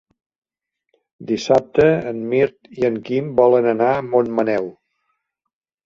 Dissabte en Mirt i en Quim volen anar a Montmaneu.